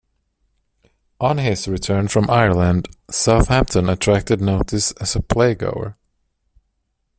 On his return from Ireland, Southampton attracted notice as a playgoer.